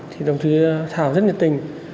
thì đồng thủy thảo rất nhiệt tình